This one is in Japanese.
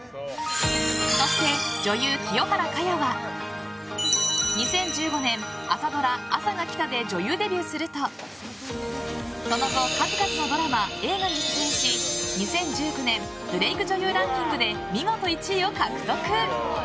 そして、女優・清原果耶は２０１５年朝ドラ「あさが来た」で女優デビューするとその後、数々のドラマ・映画に出演し２０１９年ブレーク女優ランキングで見事１位を獲得。